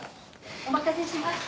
お待たせしました。